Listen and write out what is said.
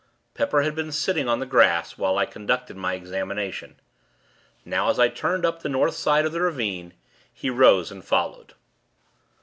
Pepper had been sitting on the grass, while I conducted my examination. Now, as I turned up the North side of the ravine, he rose and followed.